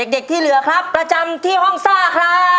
ที่เหลือครับประจำที่ห้องซ่าครับ